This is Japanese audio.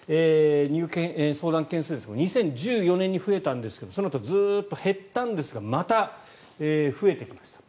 相談件数ですが２０１４年に増えたんですがそのあとずっと減ったんですがまた増えてきました。